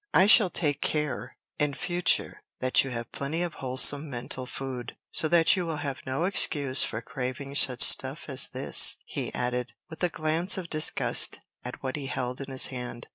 I shall take care in future that you have plenty of wholesome mental food, so that you will have no excuse for craving such stuff as this," he added, with a glance of disgust at what he held in his hand.